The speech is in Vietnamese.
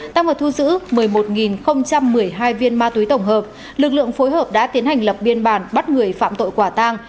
tăng vào thu giữ một mươi một một mươi hai viên ma túy tổng hợp lực lượng phối hợp đã tiến hành lập biên bản bắt người phạm tội quả tang